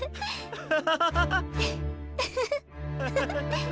アハハハハ。